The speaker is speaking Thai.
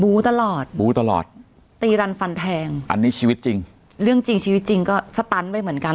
ตลอดบูตลอดตีรันฟันแทงอันนี้ชีวิตจริงเรื่องจริงชีวิตจริงก็สตันไปเหมือนกัน